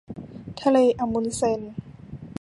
ทะเลอะมุนด์เซน